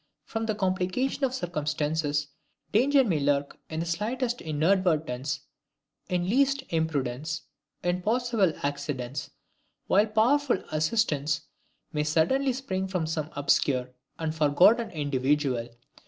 From the complication of circumstances, danger may lurk in the slightest inadvertence, in the least imprudence, in possible accidents, while powerful assistance may suddenly spring from some obscure and forgotten individual.